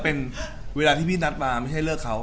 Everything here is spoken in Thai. เป็นเวลาที่พี่นัดมาไม่ให้เลิกเขา